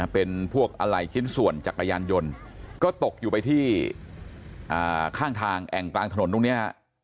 เป็นพวกอะไรชิ้นส่วนจักรยานยนต์ก็ตกอยู่ไปที่ข้างทางแอ่งกลางถนนตรงนี้ฮะ